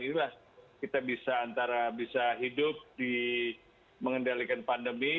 inilah kita bisa antara bisa hidup di mengendalikan pandemi